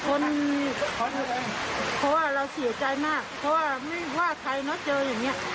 ขอโทษเพราะว่าเราเสียใจมากเพราะว่าไม่ว่าใครเนอะเจออย่างเงี้ย